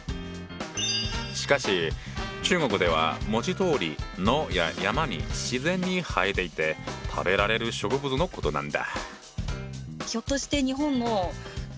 しかし中国では文字どおり野や山に自然に生えていて食べられる植物のことなんだ。